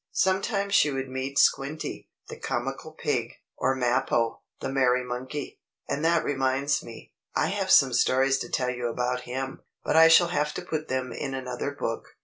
Sometimes she would meet Squinty, the comical pig, or Mappo, the merry monkey. And that reminds me. I have some stories to tell you about him. But I shall have to put them in another book.